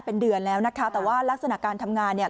เป็นเดือนแล้วนะคะแต่ว่ารักษณะการทำงานเนี่ย